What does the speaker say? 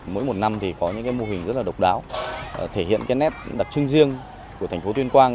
mỗi một năm thì có những mô hình rất là độc đáo thể hiện nét đặc trưng riêng của thành phố tuyên quang